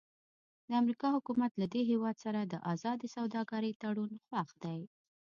د امریکا حکومت له دې هېواد سره د ازادې سوداګرۍ تړون خوښ دی.